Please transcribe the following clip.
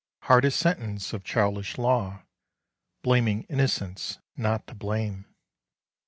Hardest sentence of childish law: Blaming innocence not to blame.